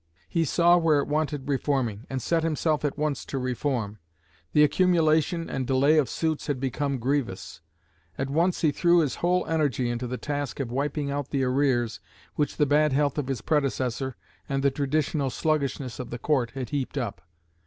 He saw where it wanted reforming, and set himself at once to reform. The accumulation and delay of suits had become grievous; at once he threw his whole energy into the task of wiping out the arrears which the bad health of his predecessor and the traditional sluggishness of the court had heaped up.